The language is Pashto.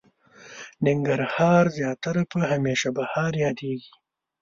ننګرهار زياتره په هميشه بهار ياديږي.